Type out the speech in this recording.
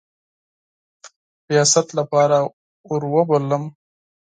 ریاست لپاره وروبللم.